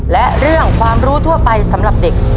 และเรื่องความรู้ทั่วไปสำหรับเด็ก